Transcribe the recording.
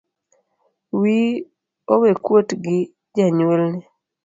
Wiyi owekuot gi janyuolni